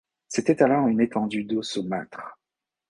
C'était alors une étendue d'eau saumâtre.